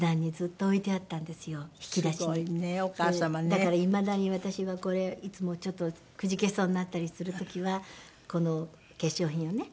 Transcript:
だからいまだに私はこれいつもちょっとくじけそうになったりする時はこの化粧品をね